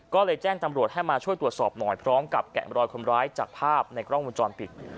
ก็เลยแจ้งตำรวจให้มาช่วยตรวจสอบหน่อยพร้อมกับแกะมรอยคนร้ายจากภาพในกล้องวงจรปิด